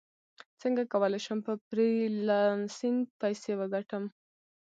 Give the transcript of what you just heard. څنګه کولی شم په فریلانسینګ پیسې وګټم